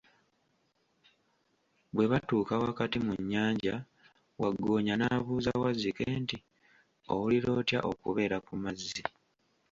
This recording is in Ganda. Bwe batuuka wakati mu nnyanja, Waggoonya n'abuuza Wazzike nti, owulira otya okubeera ku mazzi?